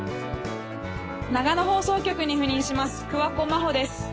長野放送局に赴任します